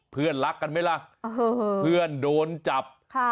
เพื่อนรักกันไหมล่ะเพื่อนโดนจับ